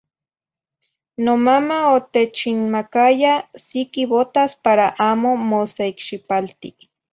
Nomama otechinmacaya ciqui botas para amo mo ceicxipalti.